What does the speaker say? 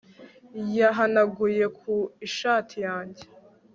yahanaguye ku ishati yanjye